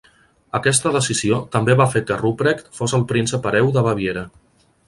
Aquesta decisió també va fer que Rupprecht fos el príncep hereu de Baviera.